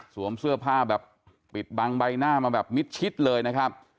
เสื้อผ้าแบบปิดบังใบหน้ามาแบบมิดชิดเลยนะครับ